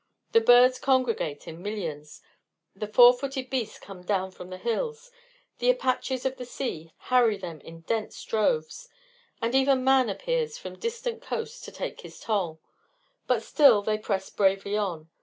The birds congregate in millions, the four footed beasts come down from the hills, the Apaches of the sea harry them in dense droves, and even man appears from distant coasts to take his toll; but still they press bravely on.